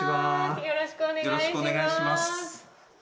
よろしくお願いします。